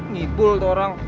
ngibul tuh orang